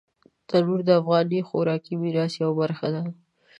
تنور د افغاني خوراکي میراث یوه برخه ده